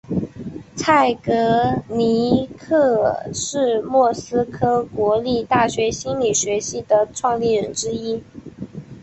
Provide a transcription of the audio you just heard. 蔡格尼克是莫斯科国立大学心理学系的创立人之一。